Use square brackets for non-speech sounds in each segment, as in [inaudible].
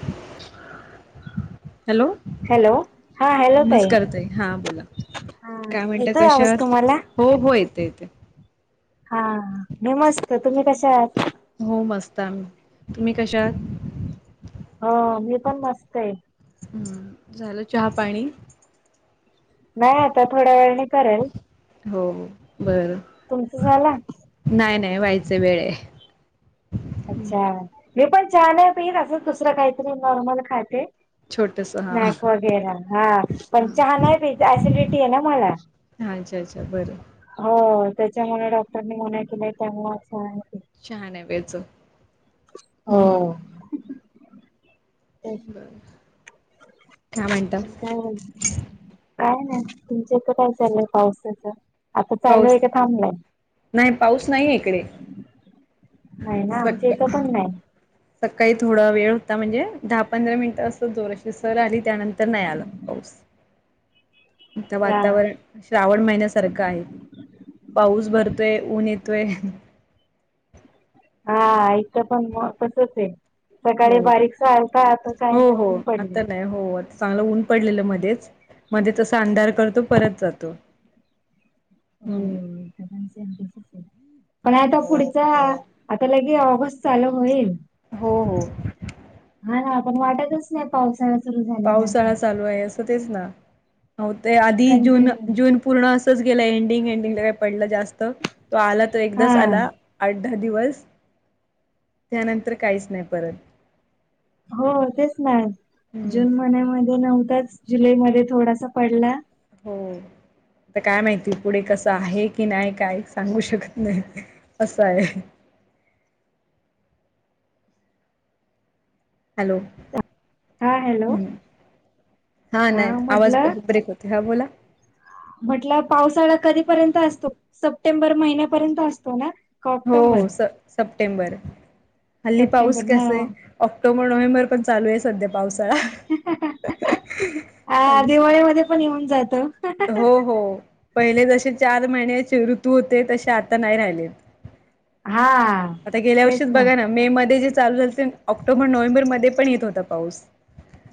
[inaudible] Hello hello हा hello नमस्कार ताई हा बोला. हा काय म्हणत येतोय कशा आवाज आहात? तुम्हाला हो हो येते येते. हा मी मस्त तुम्ही कशा आहात? हो मस्तम तुम्ही कशा आहात? ह मी पण मस्त आहे. हम्म झालं चहा पाणी. नाही आता थोड्या वेळणी करेल. हो बर. तुमच झालं? नाही नाही व्हायचं वेळ. अच्छा मी पण चहा नाही पीन असंच दुसरं काहीतरी नॉर्मल खाते. छोटंस. स्नॅक वगैरे हा पण छान आहे ऍसिडिटी आहे ना मला हा अच्छा अच्छा बरं हो त्याच्यामुळे डॉक्टरनी मना केले त्यांना आहे शहाानवेच हो तेच बं काय काय ना तुमच्या इथ काय चालय पावसाचं आता चालू पाऊस आहे का थांबलंय नाही पाऊस नाही इकडे नाही ना आमच्या सक इथं पण नाही सकाळी थोडा वेळ होता म्हणजे दहा पंधरा मिनिटं असं जोराशी सर आली त्यानंतर नाही आलं पाऊस. आता अच्छा वातावरण श्रावण महिन्यासारखं आहे पाऊस भरतोय ऊन येतोय हा आच पण म तसच आहे सकाळी बारीकस आलता आता काही हो हो नेऊन आता पडले नाही हो चांगलं ऊन पडलेलं मध्येच मध्ये त अंधार करतो परत जातो हो हम्म पणसच पण आता पुढचा आता लगे ऑगस्ट चालू होईल हो हो हा ना पण वाटतच नाही पावसा पावसाळा चालू आहे असं तेच ना ते आधी जून कंटिन्यू जून पूर्ण असंच गेलं एंडिंग एंडिंगला काही पड जास्त तो आला तो हा एकदाच आला आठ दहा दिवस त्यानंतर काहीच नाही परत हो तेच ना हम्म जून महिन्यामध्ये नव्हताच जुलैमध्ये थोडासा पडला हो आता काय माहिती पुढे कसं आहे की नाही काय सांगू शकत नाही असं आहे हॅलो हा हॅलो हम् हा नाही आवाज ब्रेक होते हा बोला म्हटलं पावसाळा कधीपर्यंत असतो सप्टेंबर महिन्यापर्यंत असतो ना का हो ऑक्टोबर हो स सप्टेंबर हल्ली पाऊस सप्टेंबर कस आहे ऑक्टोबर नोव्हेंबर पण चालू आहे सध्या पावसाळा ना हा दिवाळीमध्ये पण येऊन जायातं हो हो पहिले जसे चार महिन्याचे ऋतू होते तसे आता नाही राहिले हा आता गेल्या वर्षीच बघा ना मे मध्ये जे चालू झा ते ऑक्टोबर नोव्हेंबर मध्ये पण येत होता पाऊस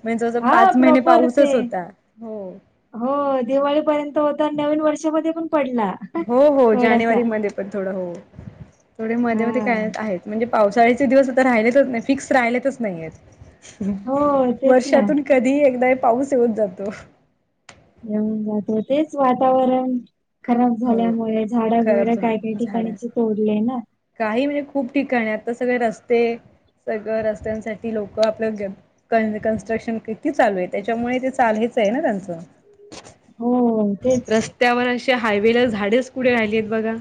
म्हणजे जव जव हा पाच महिने प्रॉपर ते पाऊसच होता हो हो दिवाळीपर्यंत होता नवीन वर्षामध्ये पण पडला हो हो थोडासा जानेवारी मध्ये पण थोडं हो थोडे मध्ये हा मध्ये का आहेत म्हणजे पावसाळ्याचे दिवस आता राहिलेच नाही फिक्स राहिलेच नाही हो आहेत तेच ना वर्षातून कधी एकदा पाऊस येऊन जातो येऊन जात हो तेच वातावरण खराब हो झाल्यामुळे झाडं बिड खराब काय काही झा झाड ठिकाणीचे तोडले ना काही म्हणजे खूप ठिकाणी आता सगळे रस्ते सगळं रस्त्यांसाठी लोक आपलं क कन्स्ट्रक्शन किती चालू आहे त्याच्यामुळे ते चाल हेच आहे ना त्यांचं हो तेच त्यावर अे हायवे ला झाडेच कुठे राहिली आहेत बघा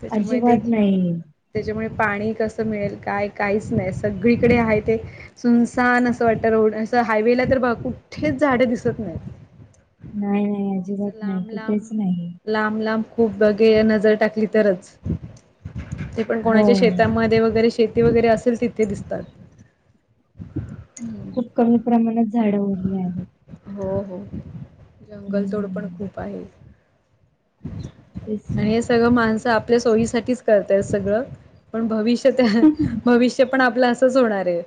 त्याच्यामुळे ते अजिबात नाही त्याच्यामुळे पाणी कसं मिळेल काय काहीच नाही सगळीकडे आहे ते सुनसान असं वाटत रोड अस हायवेला तर बघ कुठेच झाड दिसत नाही नाही नाही अजिबात नाही कुठेच लांब नाही. लांब लांब खूप बघे नजर टाकली तरच ते. पण हो कोणाच्या शेतामध्ये वगैरे शेती वगैरे असेल तिथे दिसतात. खूप कमी प्रमाणात झाडं उरली आहेत. हो हो जंगलतोड पण हम्म खूप आहे. तेच ना आणि हे सगळं माणसं आपल्या सोयीसाठीच करताय सगळं. पण भविष्य त्या भविष्य पण आपलं असंच होणार आहे.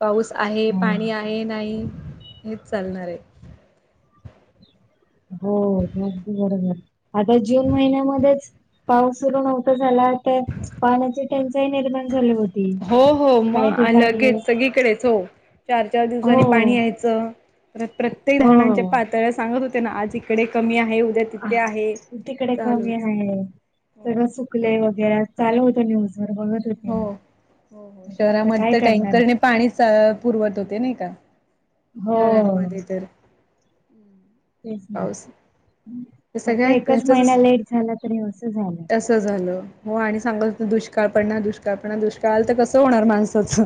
पाऊस आहे हा पाणी आहे नाही हेच चालणार आहे. हो आगदी बरोबर आता जून महिन्यामध्येच. पाऊस सुरू नव्हता झाला. तर पाण्याची टंचाई निर्माण झाली होती हो हो काही मग ठिकाणी लगेच सगळीकडेच हो चार चार हो दिवसाांनी पाणी यायचं पण प्रत्येक हो धरणांच्या पा तर सांगत होते ना आज इकडे कमी आहे उद्या तिथे आहे. तिकडे कमी चालूच. आहे. तर हो सुकले वगैरे चालु होतं न्यूज वर बघ हो हो हो शहरामध्ये काय तर करणार टँकरने पाणी पुरवत होते नाही का. हो शहरांनमध्ये तर तेच ना पाऊस हे फक्त सगळ्या एकच महिना ह्याचच लेट झाला तरी असं झालं. असं झालं हो आणि सांगत होत दुष्काळ पडणार दुष्काळपडणार दुष्काळ आलं तर कसं होणार माणसाचं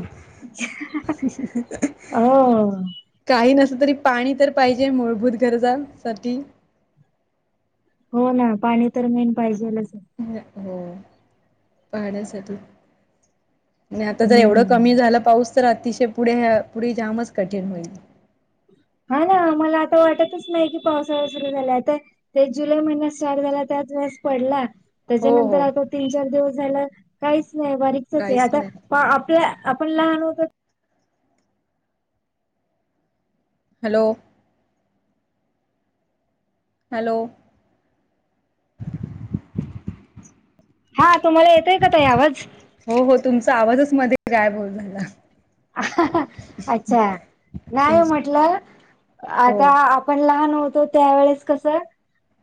[unintelligible] हो काही नस तरी पाणी तर पाहिजे मूलभूत गरजासाठी हो ना पाणी तर मेन पाहिजेलचं. हो पाण्यासाठी. आणि आता जर एवढं हम्म कमी झाला पाऊस तर अतिशय पुढे पुढे जामच कठीण होईल. हा ना मला आता वाटतच नाही की पावसाळा सुरू झालाय तर. ते जुलै महिन्यात सॅड झाला त्याच वेळस पडला हो त्याच्यानंतर हो आता तीन चार दिवस झालं काहीच नाही बारीकचच आहे काहीच नाही आता आपण लहान होतो. हॅलो. हॅलो. हा तुम्हाला येतोय का ताई आवाज. हो हो तुमचा आवाजच मध्ये गायब होऊन झाला. अच्छा नाही झाला म्हटलं हो आता आ आपण लहान होतो त्यावेेळेस कसं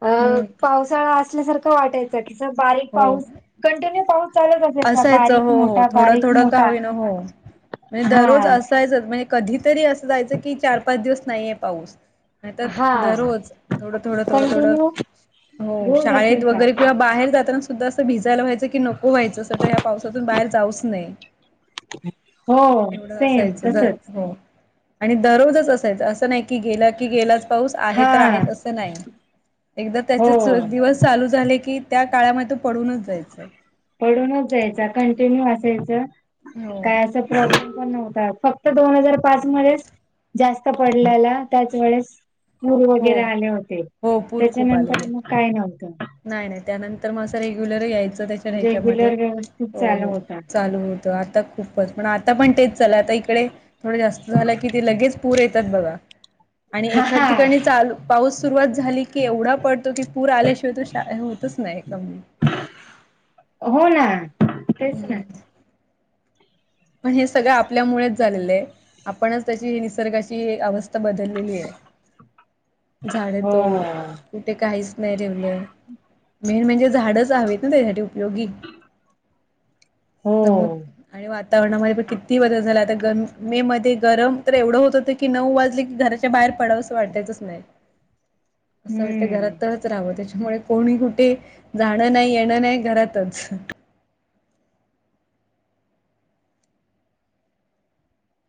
अ हम्म पावसाळा असल्यासारखं वाटायचं. तर किचक बारीक हो पाऊस कंटिन्यू पाऊस चालत होते असायचं बारीक हो हो मोठा थोडं बारीक थोडं का मोठा होईना हो. म्हणजे दररोज हा. असायचं म्हणजे कधीतरी असं जायचं की चार पाच दिवस नाहीये पाऊस नाही तर हा दररोज थोडं थोडं थोडं थोडं कंटिन्यू हो रोज शाळेत असायचा वगैरे किंवा बाहेर जाताना सुद्धा असं भिजायला व्हायचं की नको व्हायचं. तर ह्या पावसातून बाहेर जाऊच नये हो एवढं सेम असायचं. तसच हो आणि दररोजच असायच असं नाही की गेल् की गेलाच पाऊस आहे तर हा आहे असं नाही एकदा हो त्याचे दिवस चालू झाले की त्या काळामध्ये तो पडूनच जायचा. पडूनच जायचा कंटिन्यू असायचं हो काय असं प्रथु पण नव्हता फक्त दोन हजार पाच मध्येच जास्त पडल्याला त्याच वेळेस पूर हो वगैरे आले होते हो पूर खूप त्याच्यानंतर आलेले मग काय नव्हतं. नाही नाही त्यानंतर म असं रेग्युलर यायचं त्याच्या ह्याच्यामध्ये रेग्युलर व्यवस्थित हो चालू हो होता चालू हो आता खूपच पण आता पण तेच झालं आता इकडे थोड जास्त झालं की ते लगेच पूर येतात बघा आणि हा एखा हा ठिकाणी चालू पाऊस सुरुवात झाली की एवढा पडतो की पूर आल्याशिवाय तु होतच नाही कमी हो ना तेच ना. हम्म पण हे सगळं आपल्यामुळेच झालेलं आहे आपणच त्याची निसर्गाची अवस्था बदललेलीये झाडे हो तोड. कुठे काहीच नाही ठेवलेय मेन म्हणजे झाडच हवेत ना त्याच्यासाठी योगी समुद हो आणि वा. वातावरणामध्ये पण किती बदल झाला आता गर मे मध्ये गरम तर एवढं होत होतं की नऊ वाजले की घरच्या कुठे बाहेर पडावं असं वाटायचंच नाही असं वाटत घरात हम्म घरातचं राहावं त्याच्यामुळे कोणी कुठे जाणं नाही येणं नाही घरातच.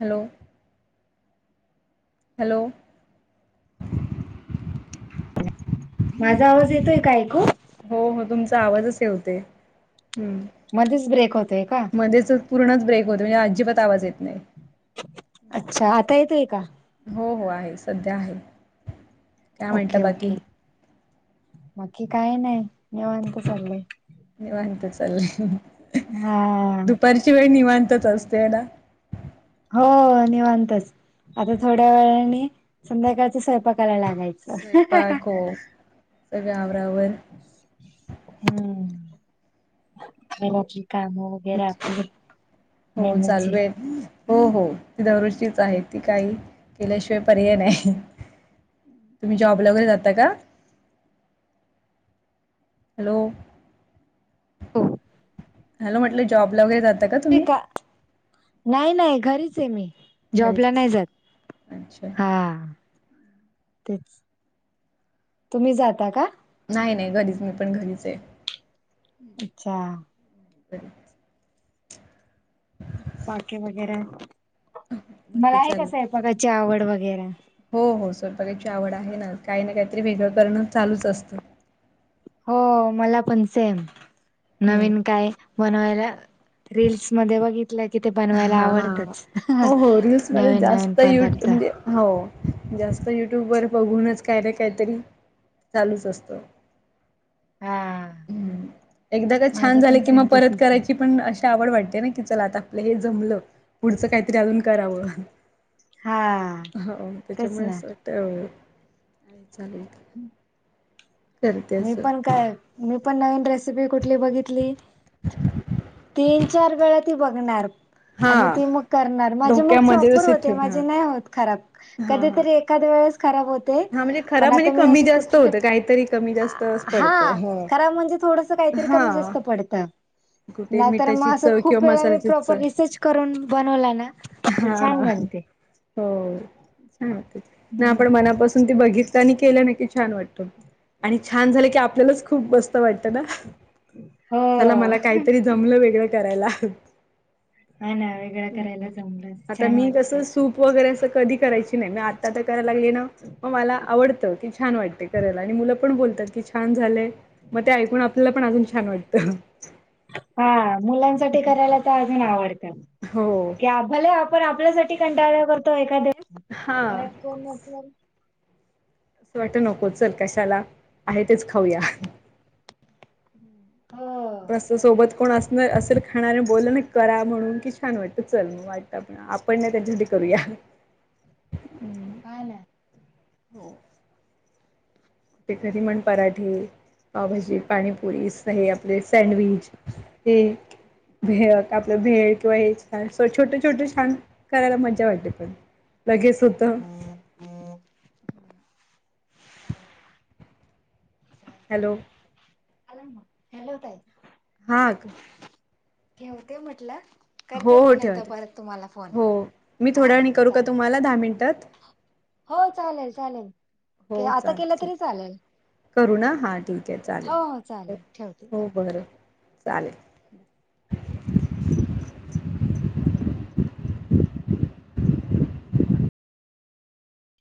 हॅलो. हॅलो. माझा आवाज येतोय का ऐकू हो हो तुमचा आवाजच हे होतंय हम्म. मध्येच ब्रेक होतय का? मध्येच पूर्णच ब्रेक होत म्हणजे अजिबात आवा येत नाही. अच्छा आता येतोय का? हो हो आहे सध्या आहे. काय म्हणता ओके बाकी ओके बाकी काय नाही निवांत चालू आहे. निवांत चाललंय. हम्. हच वळी निव्हांतच असते ना. हो निवांतच आता थोड्या वेळाने संध्याकाळचा स्वयंपाक करायलागत. स्वयंपाक हो सगळ्या आवरावर हम्म बोला की काय मग हो चालू आहे. हो हो ती दरोजचीच आहे ती काही केल्याशिवाय पर्याय नाही. तुम्ही जॉबला वगैरे जाता का हॅलो. हो. हॅलो म्हटलं जॉब वगैरे जात. का नाही नाही घरीच आहे मी घरीच जॉबला नाही जात अच्छा. हा. तेच तुम्ही जाता का? नाही नाही घरीच मी पण घरीच आहे. अच्छा. [unintelligible] बाकी वगैरे तुम्हाला बाकी आहे का चालू स्वयंपाकाची आवड वगैरे हो हो स्वयंपाकाची आवड आहे ना काही ना काहीतरी वेगळं करणं चालूच असतं. हो मला पण सेम हं. नवीन काय? बनवायला रीलस मध्ये बघित लं किथ बनवायला हां, हां. आवडतच हो, हो रील्समध्ये नवीन नवीन जास्त यू पदार्थ म्हणजे हो जास्त युट्यूब वर बघूनच काय ना काहीतरी चालूच असतं. हा ह् एकदा का छान माझा झाले पण कि सेम मग परत तसच आहे करायची पण अशी आवड वाटते ना की चला आता आपल्या हे जमलं पुढचं काहीतरी अजून करावं. हा हो तेच त्याच्यामुळे ना अस वाटत चालूल. हम्म. मी पण काय मी पण नवीन रेसिपी कुठली बघितली. तीन चार वेळा ती बघणार. हा आणि ते मग करणार माझे मग डोक्यामध्ये प्रॉपर तसे होते ठेवून माझे हा. नाही होत खराब हा हा कधीतरी एखाद वेळेस खराब होते हा म्हणजे पण खराब म्हणजे आता मी कमी असे जास्त कुठले? होतं काहीतरी कमी जास्तच पडतं हा ह. खरा म्हणजे थोडस काहीतरी कमी हा जास्त पडतं. कुठे नाही तर मग मिठाची असं चव खूप किंवा वेळा मी मसाल्याची प्रॉपर चव रिसर्च करून बनवला ना. तर हा छान हा. बनते. हो सांगत ना आपण हम्म मनापून. बघितलं मी केलं न की छान वाटत आणि छान झालं की आपल्याला खूप मस्त वाटत. हो चला मला काहीतरी जमलं वेगळं करायला. हा ना वेगळं करायला हम्म जमलं आता छान मी कसं वाटतं. सूप वगैरे असं कधी करायची नाही म आता तर कराय लागली ना. आवडत की छान वाटते करायला आणि मुलं पण बोलतात की छान झालय. मग ते ऐकून आपल्याला पण अजून छान वाटतं. हा मुलांसाठी करायला तर अजून आवडत. हो भले आपण आपल्यासाठी कंटाळा करतो एखाद्या हा. घरात कोण न. असं वाट नको चल कशाला आहे तेच खाऊया. हो. असं सोबत कोण असणार असेल खाणार बोलला ना करा म्हणून की छान वाटतं चल मग वाटतं आपण. आपण ना त्याच्यासाठी करूया. कायला. हो. ते करी मण पराठे. पावभजी पाणीपुरी हे आपले सँडविच हे. भेक आपलं भेळ किंवा हे छान छोटे छोटे छान. करायला मज्जा वाटली पण लगेच होतं. हॅलो. आ ह. हॅलो तय. हा. ठवते म्हटलं. हो करते हो मग नंतर ठेवते परत तुम्हाला फोन हो मी हा थोड्या वणी करू का चालेल तुम्हाला दहा मिनिटात. हो चालेल चालेल. हो आता चालेल केलं ठीक तरी चालेल करू ना हां ठीक आहे चालेल हो हो चालेल ठेवते. हो. बरं चालेल.